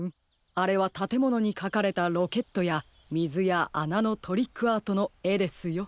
あれはたてものにかかれたロケットやみずやあなのトリックアートのえですよ。